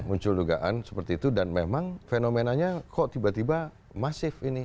muncul dugaan seperti itu dan memang fenomenanya kok tiba tiba masif ini